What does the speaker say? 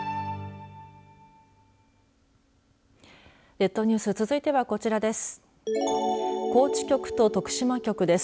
列島ニュース続いては、こちらです。